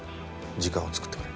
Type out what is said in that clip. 時間を作ってくれ。